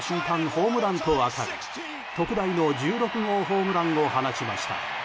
ホームランと分かる特大の１６号ホームランを放ちました。